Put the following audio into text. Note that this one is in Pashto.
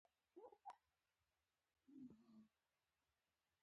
دوی هشترخان او تساریتسین ښارونه ونیول.